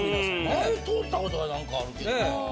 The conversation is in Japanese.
前通ったことはなんかあるけどな。